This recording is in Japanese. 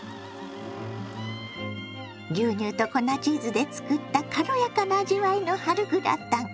牛乳と粉チーズで作った軽やかな味わいの春グラタン。